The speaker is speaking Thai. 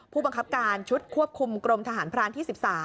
ผู้บังคับการชุดควบคุมกรมทหารพรานที่๑๓